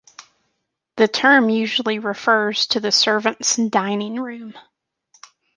The term usually refers to the servants' dining room.